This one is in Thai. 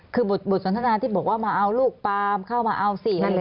คือบทสนทนาที่บอกว่ามาเอาลูกปามเข้ามาเอา๔อะไรอย่างนี้